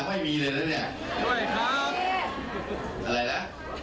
วันสิงกันอ่ะ